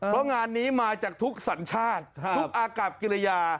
เพราะงานนี้มาจากทุกสัญชาติทุกอากับกิริยา